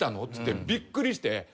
っつってびっくりして。